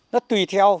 nó tùy theo